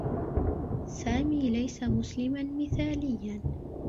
سامي ليس مسلما مثاليّا.